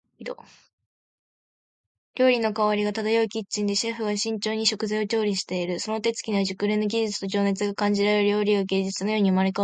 料理の香りが漂うキッチンで、シェフは慎重に食材を調理している。その手つきには熟練の技術と情熱が感じられ、料理が芸術のように生まれ変わっていく。